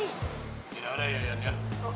tidak ada ya ian ya